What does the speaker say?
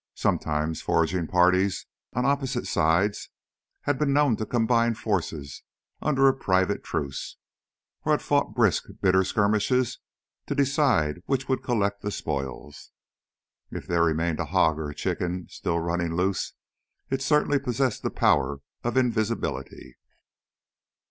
Sometimes foraging parties on opposite sides had been known to combine forces under a private truce, or had fought brisk, bitter skirmishes to decide which would collect the spoils. If there remained a hog or chicken still running loose, it certainly possessed the power of invisibility.